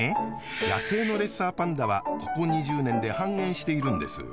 野生のレッサーパンダはここ２０年で半減しているんです。